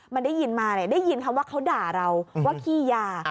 มันได้ยินมาได้ยินคำว่าเขาด่าเราว่าขี้ยา